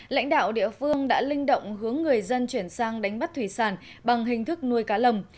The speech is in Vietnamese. lãnh đạo địa phương đã linh động hướng người dân chuyển sang đánh bắt thủy sản bằng hình thức nuôi cá lồng